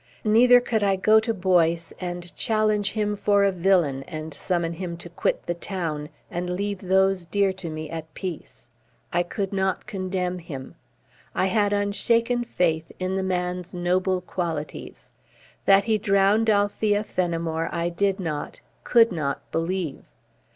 Neither could I go to Boyce and challenge him for a villain and summon him to quit the town and leave those dear to me at peace. I could not condemn him. I had unshaken faith in the man's noble qualities. That he drowned Althea Fenimore I did not, could not, believe.